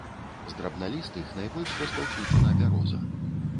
З драбналістых найбольш распаўсюджана бяроза.